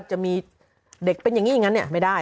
จะมีเด็กเป็นอย่างนี้อย่างนั้นไม่ได้